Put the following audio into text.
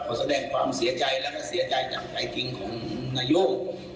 พอแสดงความเสียใจแล้วก็เสียใจจากใจจริงของนายกเป็นคนที่เอ่อ